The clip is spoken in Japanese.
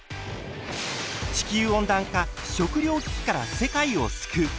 地球温暖化食糧危機から世界を救う！